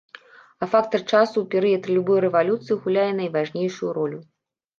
А фактар часу ў перыяд любой рэвалюцыі гуляе найважнейшую ролю.